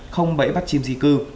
không bẫy bắt chim di cư